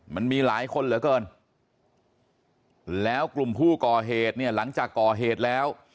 มันมีหลายคนเหลือเกินแล้วกลุ่มผู้ก่อเหตุเนี่ยหลังจากก่อเหตุแล้ว